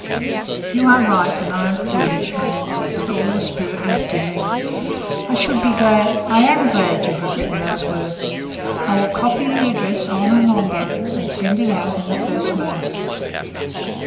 "You are right, and I am foolish," I answered with all the spirit left in me. "I should be glad—I am glad that you have written these words. I will copy the address on an envelope and send it out in the first mail."